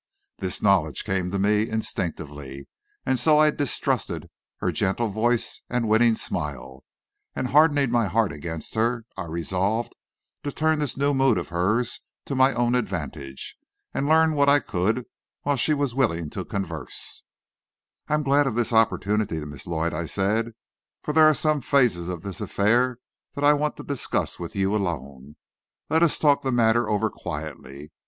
This knowledge came to me instinctively, and so I distrusted her gentle voice and winning smile, and hardening my heart against her, I resolved to turn this new mood of hers to my own advantage, and learn what I could while she was willing to converse: "I'm glad of this opportunity, Miss Lloyd," I said, "for there are some phases of this affair that I want to discuss with you alone. Let us talk the matter over quietly.